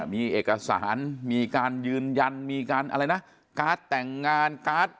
มีเอกสารมีการยืนยันมีการอะไรนะการ์ดแต่งงานการ์ด